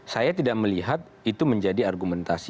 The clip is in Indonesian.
saya tidak melihat itu menjadi argumentasi